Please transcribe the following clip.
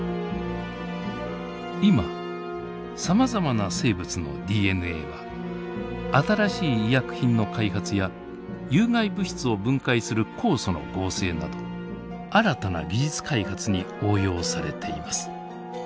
今さまざまな生物のＤＮＡは新しい医薬品の開発や有害物質を分解する酵素の合成など新たな技術開発に応用されています。